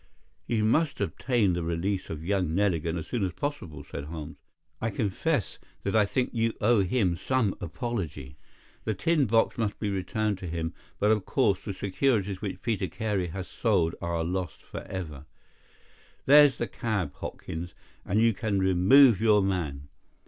"You must obtain the release of young Neligan as soon as possible," said Holmes. "I confess that I think you owe him some apology. The tin box must be returned to him, but, of course, the securities which Peter Carey has sold are lost forever. There's the cab, Hopkins, and you can remove your man.